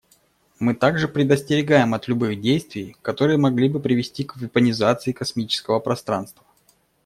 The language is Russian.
Мы также предостерегаем от любых действий, которые могли бы привести к вепонизации космического пространства.